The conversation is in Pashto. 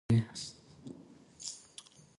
انار د افغان ځوانانو د هیلو استازیتوب کوي.